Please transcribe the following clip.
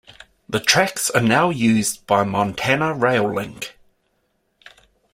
The tracks are now used by Montana Rail Link.